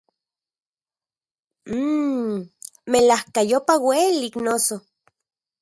Mmmm, ¡melajkayopa uelik, noso!